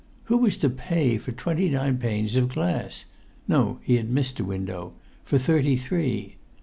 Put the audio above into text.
Who was to pay for twenty nine panes of glass—no, he had missed a window—for thirty three?